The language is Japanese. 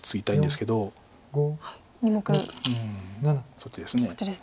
そっちです。